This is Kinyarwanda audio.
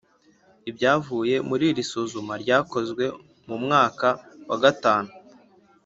ibyavuye muri iri suzuma ryakozwe mu mwaka wa gatanu